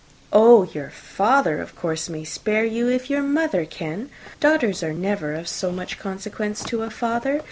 _]] "Oh, your father, of course, may spare you, if your mother can. Daughters are never of so much consequence to a father.